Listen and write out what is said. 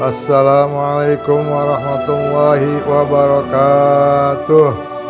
assalamualaikum warahmatullahi wabarakatuh